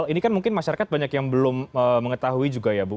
ini kan mungkin masyarakat banyak yang belum mengetahui juga ya bu